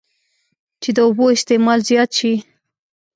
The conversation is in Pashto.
چې د اوبو استعمال زيات شي